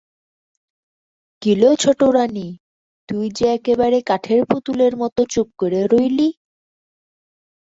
কী লো ছোটোরানী, তুই যে একেবারে কাঠের পুতুলের মতো চুপ করে রইলি?